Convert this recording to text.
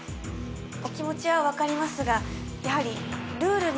お気持ちは分かりますがやはり。